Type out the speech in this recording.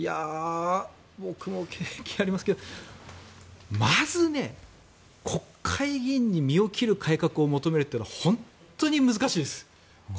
僕も経験ありますけどまず国会議員に身を切る改革を求めるというのは本当に難しいです。